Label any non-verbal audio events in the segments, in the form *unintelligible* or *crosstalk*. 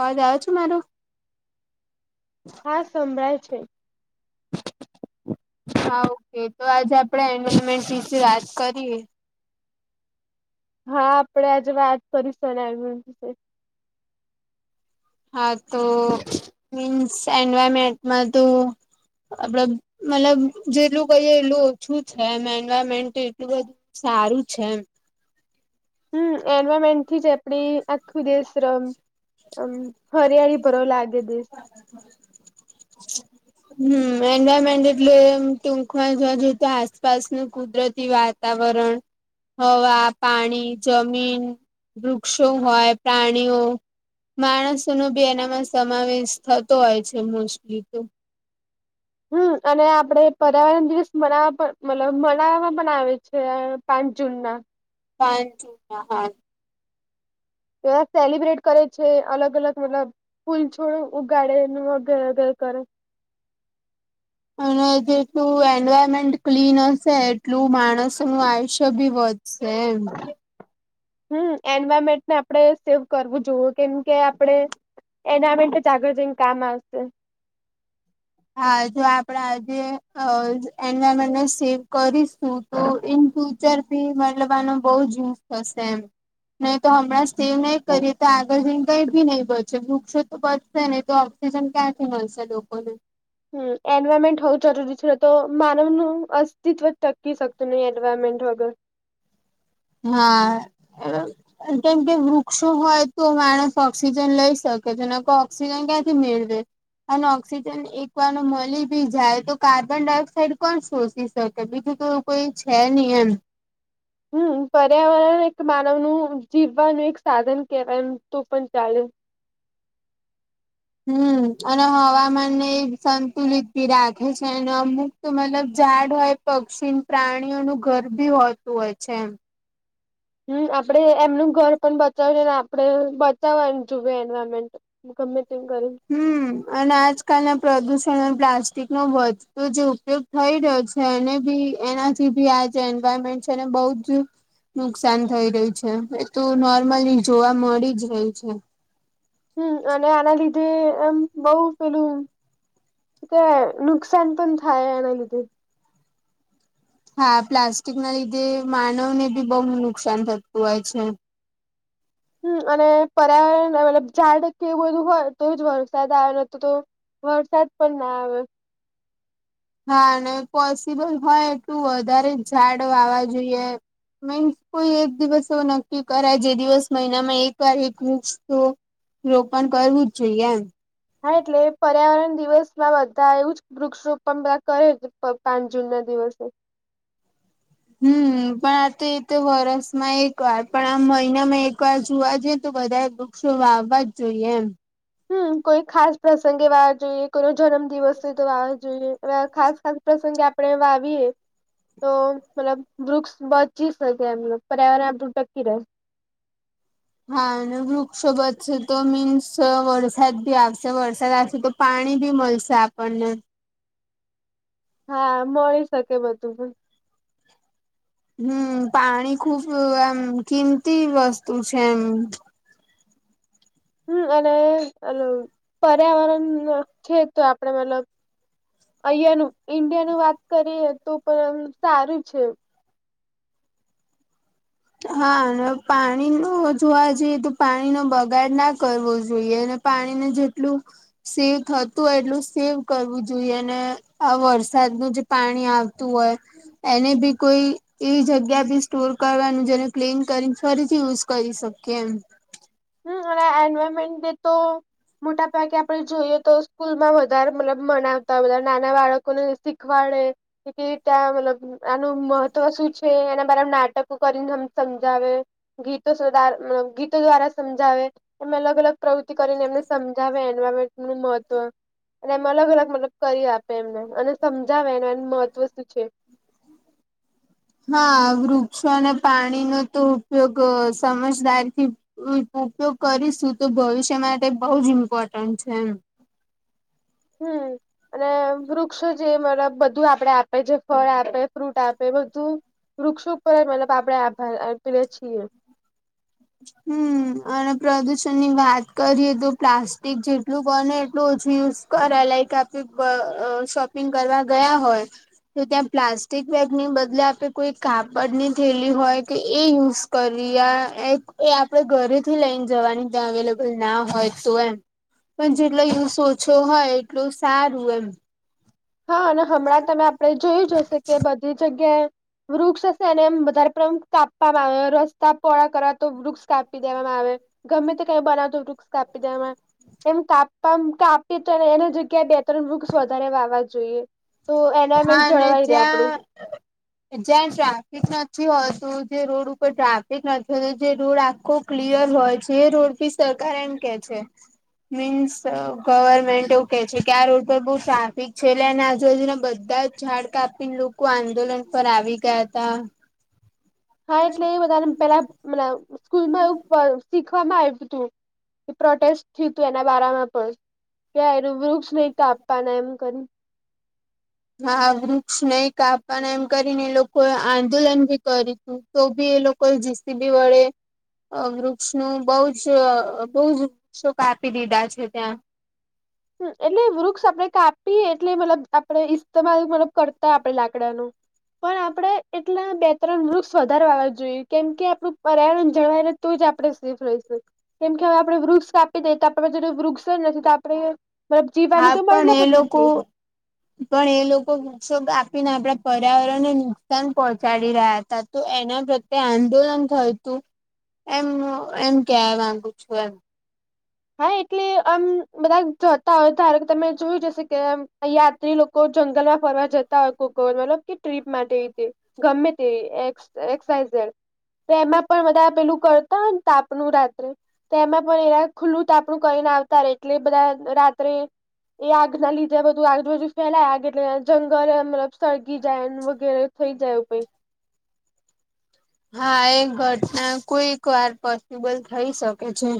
અવાજ આવે છે મારો. હા સંભળાય છે. *inaudible* હા ઓકે તો આજે આપડે એનમેન્ટ વિશે વાત કરીએ. હા આપડે આજે વાત કરીશુ એના વીશે. હા તો મીન્સ એન્વાયરમેન્ટમાં તો. આપડે મતલબ. જેટલું કહીએે એટલું ઓછું છે એમ એન્વાયરમેન્ટ એટલું બધું સારું છે એમ. હમ એન્વાયરમેન્ટ થી જ આપડી આખું દેશ રમ અમ હરિયાળી ભરવ લાગે દસ. *unintelligible* હમ એન્વાયરમેન્ટ એટલેમ ટૂંકમાં જોવા જોઈ તો આસપાસ ન કુદરતી વાતા વાતાવરણ હવા પાણી. જમીન વૃક્ષો હોય પ્રાણીઓ માણસો નો બી એનામાં સમાવેશ થતો હોય છે મોસ્ટલી તો. હમ અને આપડે પર્યાવરણ દિવસ મનાવા પણ મતલબ મનાવવામાં પણ આવે છે. પાંચ જૂન ના રોજ. પાચ જુન ના હા. તે સેલિબ્રેટ કરે છે અલગ અલગ મતલબ ફૂલ છોડ ઉગાડે *unintelligible* વગરે કરે. અને જેટલું એન્વાયરમેન્ટ ક્લીન હશે એટલું માણસ નું આયુષ્ય ભી વધુ સેમ. હમ એન્વાયરમેન્ટને આપણે સેવ કરવું જોવુ કેમ કે આપડે એનાઈમેટ જાગૃતિ ને કામ આવશે. હા જો આપણે આજે અ એન્વાયરમેન્ટને સેવ કરીશું. તો ઈનફ્યુચર બી મતલબ આનો બોઉ જ યુઝ થશે એમ. ને તો અણાં સેવ નઈ કરીએ તો આગળ જઈને કઈ ભી છે. વૃક્ષો તો બચશે ને તો ઓક્સિજન ક્યાંથી મળશે લોકોને હમ એન્વાયરમેન્ટ હોવું જરૂરી છે તો માનવ નું અસ્તિત્વ ટકી શકતું નહી એન્વાયરમેન્ટ વગર. હા. કેમકે વૃક્ષો હોય તો માણસ ઓક્સિજન લઈ શકે છે. *unintelligible* ઓક્સિજન ક્યાંથી મેળવે. અને ઓક્સિજન એક વાર ન મલી બી જાય તો કાર્બન ડાયોક્સાઇડ કોણ શોષી શકે બીજું તો કોઈ છે નહીં એમ. હમ પર્યાવરણ એક માનવ નું જીવવાનું એક સાધન કેવાય એમ તો પણ ચાલે હમ્મ અને હવામાનને સંતુલિત બી રાખે છે અને અમુક તો મતલબ ઝાડ હોય પક્ષી પ્રાણીઓનું ઘર ભી હોતું હોય છે એમ. હમ્મ આપડે એમનું ઘર પણ બચાવયે ને આપડ બચાવવા જોએ એન્વાયરમેન્ટ. *unintelligible* હમ અને આજકાલના પ્રદુષણ અને પ્લાસ્ટિકનો વધતો જે ઉપયોગ થઈ રહ્યો છે. એને બી એનાથી બી આ જે એન્વાયરમેન્ટ છે એને બઉજ. નુકસાન થઈ રહ્યું છે એ તો નોર્મલી જોવા મળી જ રહી છે. હમ અને આના લીધે એમ બઉ પેલું ત નુકસાન પણ થાય એના લીધે. હા પ્લાસ્ટિક ના લીધે માનવને બી બોઉ નુકસાન થતું હોય છે. હમ અને પર્યા મતલબ ઝાડ કે એવું બધું હોય તો જ વરસાદ આવે ન તો વરસાદ પણ ના આવે. હા અને પોસિબલ હોય એટલું વધારે ઝાડ વાવા જોઈએ. મીન્સ કોઈ એક દિવસ એવો નક્કી કરાય જે દિવસ મહિનામાં એકવાર એક વૃક્ષ તો રોપણ કરવું જ જોઈએ એમ. હા એટલે પર્યાવરણ દિવસમાં બધા એવું જ વૃક્ષારોપણ બધા કરે પાંચ જૂન ના દિવસે. હમ પણ આ તો એ તો વરસમાં એક વાર પણ આમ મહિનામાં એક વાર જોવા જઈએ. તો બધા વૃક્ષો વાવવા જ જોઈએ એમ. હમ કોઈ ખાસ પ્રસંગે વાવા જોઈએ કોઈ નો જન્મ દિવસ હોય તો વાવા જોઈએ. ખાસ ખાસ પ્રસંગે આપડે વાવીએ તો મતલબ વૃક્ષ બચી શકે એમ પર્યાવરણ આપડું ટકી રહે. હા અને વૃક્ષો બચશે તો મીન્સ વરસાદ બી આવશે વરસાદ આવશે તો પાણી બી મલશે આપણને. હા મળી શકે બધું પણ. હમ્મ પાણી ખુબ એમ કિંમતી વસ્તુ છે એમ. હમ્મ અને અલો પર્યાવરણ છે તો આપડે મતલબ અહીંયા નું ઈન્ડિયા નુંત કરીએ તો પણ સારું છે. હા અને પાણી નું જોવા જઈએ તો પાણી નો બગાડ ના કરવો જોઈએ. પાણીને જેટલું સેવ થતું હોય એટલું સેવ કરવું જોઈએ અને આ વરસાદનું જે પાણી આવતું હોય. એને બી કોઈ એવી જગ્યા બી સ્ટોર કરવાનું. જેને ક્લીન કરીને ફરીથી યુઝ કરી શકીએ એમ. હમ્મ અને એન્વાયરમેન્ટ ને તો. મોટા ભાગે આપરે જોઈએ તો સ્કૂલમાં વધારે મતલબ મનાવતા હોય નાના બાળકોને શીખવાડે. તી તા મતલબ આનું મહત્વ શું છે એના બરાબ નાટક કરીને સમજાવે ગીતો ગીતો દ્વારા સમજાવે એમ અલગ અલગ પ્રવૃતિ કરીને એમને સમજાવે એન્વાયરમેન્ટ નું મહત્વ. અને એમ અલગ અલગ મતલબ કરી આપે એમને અને સમજાવે એ એનું મહત્વ શું છે. હા વૃક્ષો અને પાણીનો તો ઉપયોગ સમજદારીથી ઉપયોગ કરીશું તો ભવિષ્ય માટે બહુ જ ઇમ્પોર્ટન્ટ છે એમ. હમ્મ. અને વૃક્ષો જે મતલબ બધું આપડે આપે જે ફળ આપે, ફ્રૂટ આપે બધું. વૃક્ષો પર જ મતલબ આપણે આભાર આપીએ છીએ. હમ, અને પ્રદુષણની વાત કરીએે તો પ્લાસ્ટિક જેટલું બને એટલું ઓછું યુઝ કરે લાઈક આપે શોપિંગ કરવા ગયા હોય. તો ત્યાં પ્લાસ્ટિક બેગની બદલે આપે કોઈ કાપડની થેલી હોય કે એ યુઝ કરિયા એક એ આપડે ઘરેથી લઈને જવાની ત્યા અવેલેબલ ના હોય તો એમ. પણ જેટલો યુઝ ઓછો હોય એટલું સારું એમ. હા, અને હમણાં તમે આપણે જોયું જ હશે કે બધી જગ્યાએ વૃક્ષ હશે અને એમ વધારે પ્રમ કાપવામાં આવે રસ્તા પોળા કરવા તો વૃક્ષ કાપી દેવામાં આવે. ગમે તે કઈ બનાવતો વૃક્ષ કાપી દેમે. એમ કાપ્પામ કાપી તો એની જગ્યાએ બે ત્રણ વૃક્ષ વધારે વાવા જોઈએ. તો હા એનામેન્ટ અને જરવાઈ રે આપડું. *unintelligible* જ્યાં ટ્રાફિક નથી હોતું જે રોડ ઉપર ટ્રાફિક નથી જે રોડ આખો ક્લિયર હોય છે એ રોડથી સરકાર એમ કે છે. મીન્સ ગવર્મેન્ટ એવ કે છે કે આ રોડ પર બો ટ્રાફિક છે એટલે અને આજુબાજુના બધ બધા ઝાડ કાપીને લોકો આંદોલન પર આવી ગયા તા. હા, એટલે એ બધા પેલા સ્કૂલમાં એવું *unintelligible* વામાં આવ્યું તું પ્રોટેસ્ટ થયું તું એના બારામાં પણ. *unintelligible* વૃક્ષની કાપ્પાના એમ કરી. હા, વૃક્ષ નઈ કાપવાના એમ કરીને લોકોએ આંદોલન બી કર્યું હતું. તો બી એ લોકો જીસી બી વળે. વૃક્ષનું બોઉ જ બોજ વૃક્ષો કાપી દીધા છે ત્યાં. એટલે વૃક્ષ આપણે કાપીએ એટલે મતલબ આપડે ઇસ્તેમાલ મતલબ કરતા આપડે લાકડાનું. પણ આપણેે એટલા બે ત્રણ વૃક્ષ વધારવા જોયએ કેમ કે આપડું પર્યાવરણ જળવાયરે. તો જ આપડે સેફ રહીશું કેમ કે હવે આપણે વૃક્ષ કાપી દઈએ તો વૃક્ષ જ નથી તો આપરે હા, પણ એ લોકો પણ એ લોકો વૃક્ષો ગાપીને આપડા પર્યાવરણને નુકસાન પહોંચાડી રહ્યા હતા. તો એના પ્રત્યે આંદોલન થયું તું એમ એમ કેવા માંગુ છું એમ. હા, એટલે આમ બધા જોતા હોય ઘારો કે તમે જોયું જશે કેમ યાત્રી લોકો જંગલમાં ફરવા જતા હોય કો મતલબ કે ટ્રીપ માટે તે. ગમ્મે તે એક્સ એક્સ વાય ઝેડ. તેમાં પણ બધા પેલું કરતા હોય ને તાપનું રાત્રે તેમાં પણ એ રા ખુલ્લું તાપણુ કરીને આવતા રે એટલે બધાં રાત્રે એ આગના લીધે બધું આજુબાજુ ફેલાય આગ એટલે જંગલ મતલબ સળગી જાય વગેરે થઈ જાય. હા, એ ઘટના કોઈક વાર પોસિબલ થઈ શકે છે.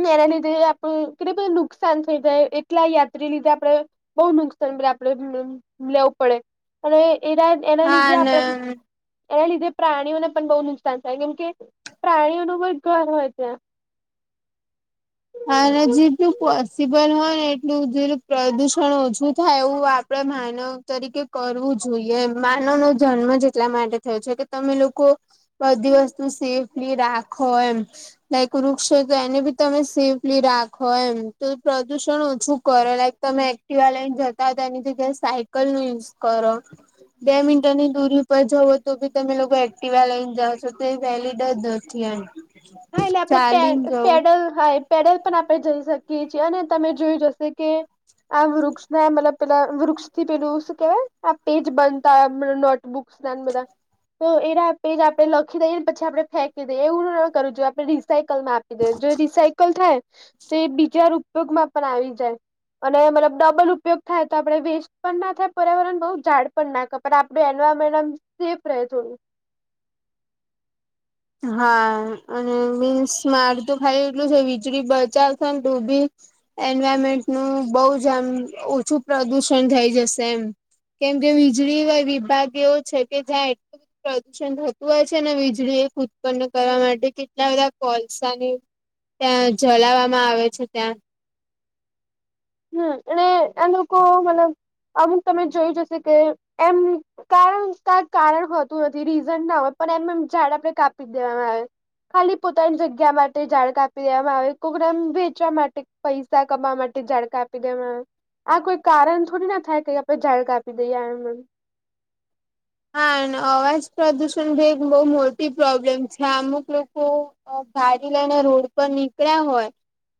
એના લીધે આપણું કેટલું બધું નુકસાન થઈ જાય એટલા યાત્રી લીધે આપડ. બહુ નુકસાન આપણે લેવું પડે અને એના એના હા લીધે અને આપણે. એના લીધે પ્રાણીઓને પણ બહુ નુકસાન થાય કેમ કે પ્રાણીઓનું પણ ઘર હોય ત્યાં. હા જેટલું પોસિબલ હોય ને એટલું જેલું પ્રદુષણ ઓછું થાય એવું આપડે માન. તરીકે કરવું જોઈએ માનવ નો જન્મ જ એટલા માટે થયો છે કે તમે લોકો. બધી વસ્તુ સેફલી રાખો એમ લાઈક વૃક્ષો તો એને બી તમે. સેફલી રાખો એમ તો પ્રદુષણ ઓછું. કરો લાઈક તમે એક્ટિવા લઈને જતા હો તો એનીગ્યા સાયકલ નું યુઝ કરો. બે મિટરની દૂરી ઉપર જવ તો બી તમે લોકો એક્ટિવા લઈને જા છો તો વહેલી ડરર. જ હા એટલે આપડે ચાલીને જવું પેડલ હા. પેડલ પણ આપણે જઈ શકીએ છીએ અને તમે જોયું જશે કે. આ વૃક્ષના મતલબ પેલા વૃક્ષ થી પેલુંું કેવાય આ પેજ બનતા નોટ. બુક્સ નાને બધા તો એના પેજ આપડે લખી દઈએ ને પછી આપડે ફેંકી દઈએ એવું. કરું જોું આપડણે રિસાયકલ માં આપી દેએ જો રિસાયકલ થાય તો એ બીજા રૂ. ટૂંકમાં પણ આવી જાય. અને મતલબ ડબલ ઉપયોગ થાય તો આપડે વેસ્ટ પણ ના થાય પર્યાવરણ બહુ ઝાડ પણ ના ક. પણ આપડું એન્વાયરમેન્ટ આમ સેફ રહે થોડું. હા અને મીન્સ માર તો ખાઈ એટલું છે વીજળી બચાવ થ ને ડૂભી. એન્વાયરમેન્ટનું બહુ જ આમ ઓછું પ્રદુષણ થઇ જશે એમ. કેમ કે વીજળી વા વિભાગ એવો છે કે જ્યાં એ પ્રદુષણ થતું હોય છે ને વીજળી એ ઉત ત્પન્ન કરવા માટે કેટલા બધા કોલસાને ત્યાં જલાવામાં આવે છે ત્યાં. હમ અને એ લોકો મતલબ અમુક તમે જોયું જશે કે એમ. કારણ કા કારણ હોતું નથી રીઝન ના હોય પણ એમનેમ ઝાડ આપડે કાપી દેવામાં આવે. ખાલી પોતાની જગ્યા માટે ઝાડ કાપી દેવામાં આવે કોકરામ વેચવા માટે પૈસા કમાવા માટે ઝાડ કાપી દેવામાં આવ આ કોઈ કારણ થોડી ના થાય ક આપણે ઝાડ કાપી દઈએ એમનેમ. હા અન અવાજ પ્રદુષણ બ એક બહુ મોટી પ્રોબ્લેમ છે અમુક લોકો અ ભાડી લઈને રોડ પર નીકળ્યા હોય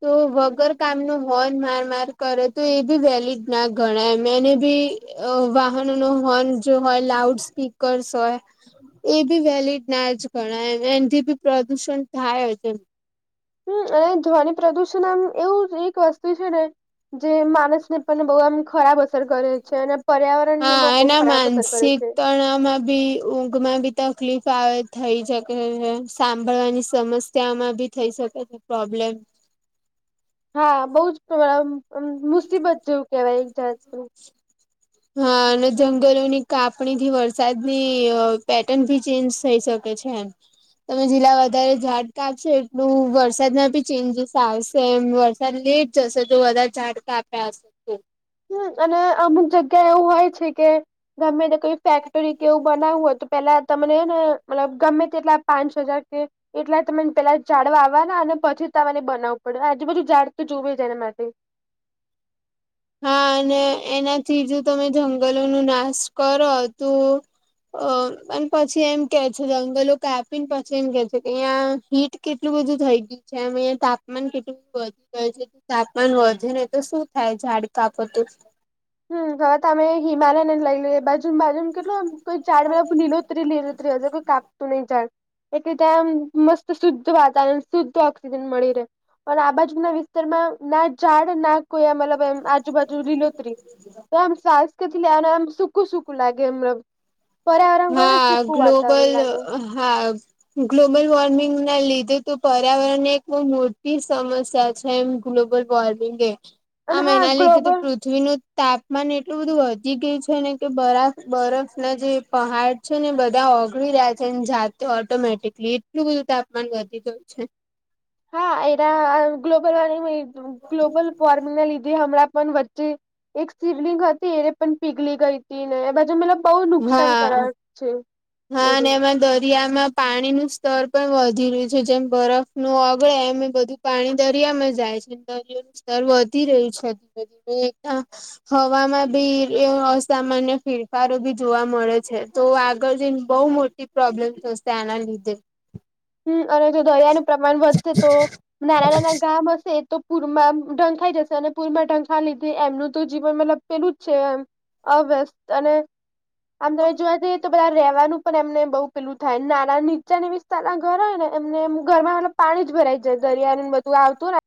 તો વગર કામ ન હોન માર માર કરે તો એ બી વેલિડ ના ગણાય એને બી અ વાહનો નો હોર્ન જો હોય લાઉડ સ્પીકર્સ હોય એ બી વેલીડ ના જ ગણાય એનથી બી પ્રદુષણ થાય જ એમ. હમ અને ધ્વનિ પ્રદુષણ આમ એવું જ એક વસ્તુ છે ને જે માનસ ને પન બહુ આમ ખરાબ અસર કરે છે અને પર્યાવરને બહ બહુ ખરાબ અસર કરે છે. પણ આમાં બી ઊંઘ માં બી તકલીફ આવે થઈ શકે છે સાંભળવાની સમસ્યામાં બી થઈ શકે છે પ્રોબ્લેમ. હા બઉ જ ક આમ અમ મુસીબત જેવું કેવાય એક જાતનું. *inaudible* હા અને જંગલોની કાપણી થી વરસાદની અ પેટર્ન ભી ચેન્જ થઈ શક કે છે એમ. તમે જેટલા વધારે ઝાડ કાપશો એટલું વરસાદમાં બી ચેન્જીસ આવશે એમ વરસાદ લેટ જશે તો વધારે ઝાડ કાપ્યા હશે. હમ અને અમુક જગ્યા એવું હોય છે કે ગમે તે કોઈ ફેક્ટરી કેવું બનાવવું હોય તો પેલા તમને હેને મતલબ ગમે તેટલા પાંચ હજાર કે એટલા તમેન પેલા ઝાડ વાવવાના અને પછી તમારે બનાવું પડે આજુ બાજુ ઝાડ તો જોવે જ એના માટે. હા અને એનાથી જો તમે જંગલોનો નાશ કરો તો અ અન પછી એમ કે છે જંગલો કાપીને પછી એમ કે છે કે અયા હીટ કેટલું બધું થઈ ગયું છે એમ અહયા તાપમાન કેટલું બધું વધી ગયું છે તાપમાન વધે ને તો શું થાય ઝાડ કાપોતો. હમ હવે તો અમે હિમાલયને જ લઈ લે બાજ તીન બાજુમ કેટલો આમ કંઈક ચાડ મે ભ લીલોતરી લીલોતરી હોય છે કોઈ કાપતું નહીં ઝાડ. એટલે ત્યાંમ મસ્ત શુદ્ધ વાતાવરણ શુદ્ધ ઓક્સિજન મળી રહે. પણ આ બાજુ ના વિસ્તાર માં ના ઝાડ ના કોઈ આમ મતલબમ આજુબાજુ લીલોતરી તો આમ સાસ કઈત લેવાને આમ સુકું સુકું લાગે એમ. પર્યાવરણ ઘણું હા સૂકું ગ્લોબલ વાતાવરણ લાગે. હા ગ્લોબલ વોર્મિંગ ના લીધે તો પર્યાવરણ ને એક બહુ મોટી સમસ્યા છે એમ. ગ્લોબલ વોર્મિંગે અને આમ હા એનાલીધે તો ગ્લોબલ પૃથ થ્વીનું તાપમાન એટલું બધું વધી ગયું છે ને કે બરા બરફ ના જે પહાડ છે ને બધા ઓગળી રહ્યા છે જાતે ઓટોમેટિકલી એટલું બધું તાપમાન વધી ગયું છે. હા એના ગ્લોબલ વોર્મિંગ ગ્લોબલ વોર્મિંગ ના લીધ જે હમળા પન વચ્ચે એક શિવલિંગ હતી એ પન પીગલી ગઈતી ને એ બાજુ મતલબ બહુ નુકસાન હા કરાવે છે. હા એ અને રહ્યું. એમાં દરિયામાં પાણીનું સ્તર પણ વધી રહ્યું છે જેમ બરફનું ઓગળે એમ બધું પાણી દરિયામાં જાય છે. ને દરિયોનું સ્તર વધી રહ્યું છે ધીમે ધીમે આ હવામાં બી એ અસામાન્ય ફિરફારો બી જોવા મળે છે તો આગળ જઈન બહુ મોટી પ્રોબ્લેમ્ થશે આના લીધે. હમ અને જો દરિયાનું પ્રમાણ વધશે તો નાના નાના ગામ હશે તો પૂરમાં ઢંગ થઈ જશે અને પૂરમાં ઢંગ થા લીધી એમનું તો જીવન મતલબ પેલું જ છે, એમ અ વસ અને આમ તમે જોવા જઈએ તો બધા રવાનું પણ એમને બહુ પેલું થાય નાના નીચાની વિસ્તાર ના ઘરેય ને એમને ઘર માં પાણી જ ભરાઈ જાય દરિયાળ ને બધું આવતું ને